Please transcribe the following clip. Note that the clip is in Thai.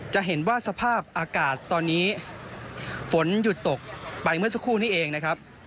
จะเห็นว่าสภาพอากาศตอนนี้ฝนหยุดตกไปเมื่อสักครู่นี้เองนะครับ